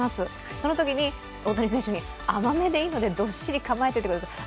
そのときに大谷選手に、甘めでいいので、どっしり構えてくださいと。